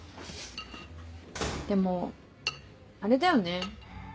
でもあれだよね。